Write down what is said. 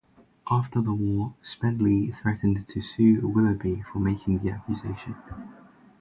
After the war, Smedley threatened to sue Willoughby for making the accusation.